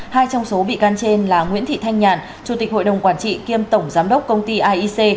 hai trong số bị can trên là nguyễn thị thanh nhàn chủ tịch hội đồng quản trị kiêm tổng giám đốc công ty aic